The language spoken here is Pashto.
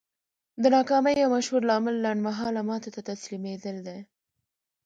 د ناکامۍ يو مشهور لامل لنډ مهاله ماتو ته تسليمېدل دي.